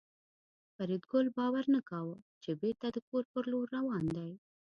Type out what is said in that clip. فریدګل باور نه کاوه چې بېرته د کور په لور روان دی